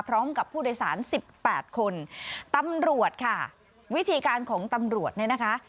พร้อมกับผู้โดยสารสิบแปดคนตำรวจค่ะวิธีการของตำรวจเนี่ยนะคะ